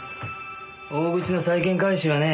大口の債権回収はねえ